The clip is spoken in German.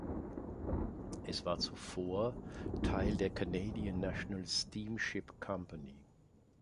Es war zuvor Teil der Canadian National Steamship Company.